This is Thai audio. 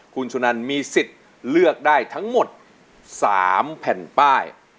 คุณสุนันมีสิทธิ์เลือกได้ทั้งหมด๓แผ่นป้าย